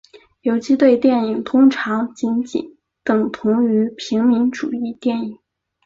游击队电影通常仅仅等同于平民主义电影。